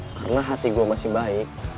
karena hati gue masih baik